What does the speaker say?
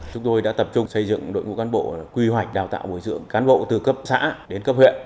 chúng tôi đã tập trung xây dựng đội ngũ cán bộ quy hoạch đào tạo bồi dưỡng cán bộ từ cấp xã đến cấp huyện